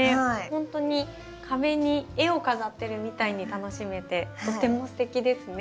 ほんとに壁に絵を飾ってるみたいに楽しめてとてもすてきですね。